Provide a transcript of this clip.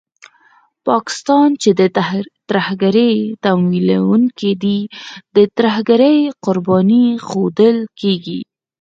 پاکستان چې د ترهګرۍ تمويلوونکی دی، د ترهګرۍ قرباني ښودل کېږي